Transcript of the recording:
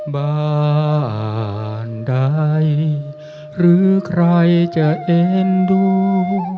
บ้านใดหรือใครจะเอ็นดู